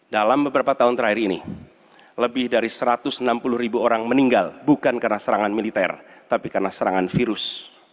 dalam beberapa tahun terakhir ini lebih dari satu ratus enam puluh ribu orang meninggal bukan karena serangan militer tapi karena serangan virus